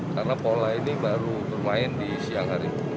karena pola ini baru bermain di siang hari